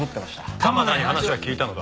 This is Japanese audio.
玉田に話は聞いたのか？